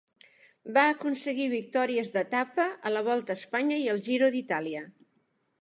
Va aconseguir victòries d'etapa a la Volta a Espanya i el Giro d'Itàlia.